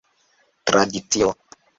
Tradicio.